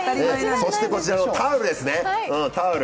そしてこちらのタオル。